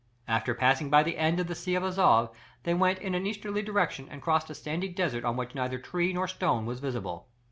After passing by the end of the Sea of Azov they went in an easterly direction and crossed a sandy desert on which neither tree nor stone was visible.